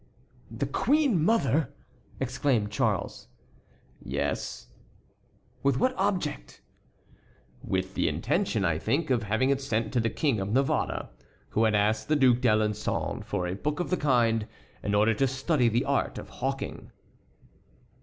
"The queen mother!" exclaimed Charles. "Yes." "With what object?" "With the intention, I think, of having it sent to the King of Navarre, who had asked the Duc d'Alençon for a book of the kind in order to study the art of hawking."